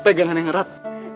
pegangan yang erat